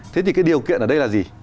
thế thì cái điều kiện ở đây là gì